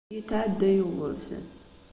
Yetɛedda Yugurten!